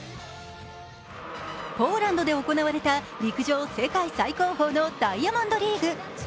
ポーランドで行われた陸上世界最高峰のダイヤモンドリーグ。